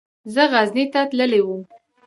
زه غزني ته تللی وم.